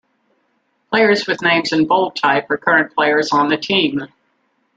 Players with names in bold type are current players on the team.